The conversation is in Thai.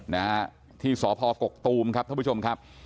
นะฮะที่สพกกตูมครับท่านผู้ชมครับ